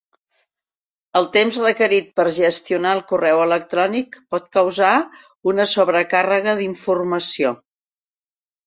El temps requerit per gestionar el correu electrònic pot causar una sobrecàrrega d'informació.